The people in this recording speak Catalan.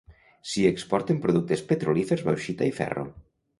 S'hi exporten productes petrolífers, bauxita i ferro.